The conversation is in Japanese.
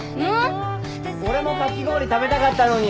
俺もかき氷食べたかったのに。